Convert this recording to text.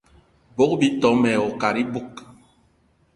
Bogb-ito mayi wo kat iboug.